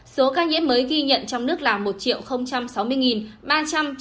số ca nhiễm mới ghi nhận trong nước là một sáu mươi ba trăm chín mươi bốn ca